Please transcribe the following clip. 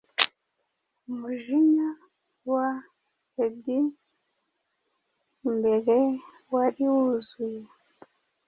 Umujinya wa eddiesimbere wari wuzuye